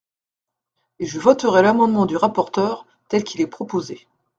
Et je voterai l’amendement du rapporteur tel qu’il est proposé.